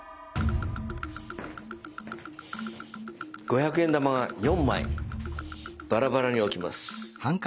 五百円玉が４枚バラバラに置きます。